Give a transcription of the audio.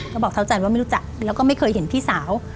ก็บอกเท้าจันว่าไม่รู้จักแล้วก็ไม่เคยเห็นพี่สาว